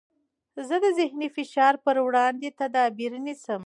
زه د ذهني فشار پر وړاندې تدابیر نیسم.